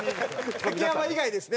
竹山以外ですね。